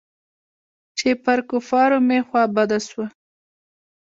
چې پر کفارو مې خوا بده سوه.